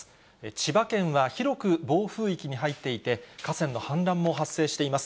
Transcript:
千葉県は広く暴風域に入っていて、河川の氾濫も発生しています。